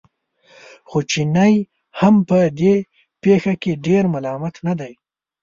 خو چینی هم په دې پېښه کې ډېر ملامت نه دی.